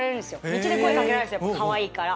道で声掛けられるかわいいから。